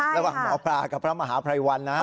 ระหว่างหมอปลากับพระมหาภัยวันนะฮะ